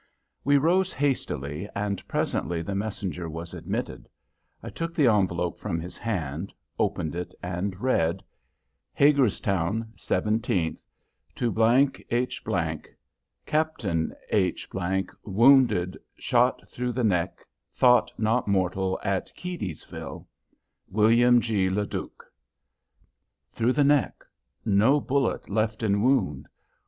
We rose hastily, and presently the messenger was admitted. I took the envelope from his hand, opened it, and read: HAGERSTOWN 17th To__________ H ______ Capt H______ wounded shot through the neck thought not mortal at Keedysville WILLIAM G. LEDUC Through the neck, no bullet left in wound.